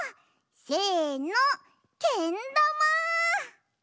せのけんだま！